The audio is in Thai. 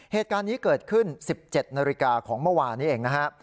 เหตุการณ์นี้เกิดขึ้น๑๗นาฬิกาของเมื่อวานนี้เองนะฮะ